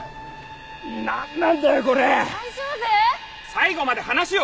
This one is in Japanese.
最後まで話を聞け！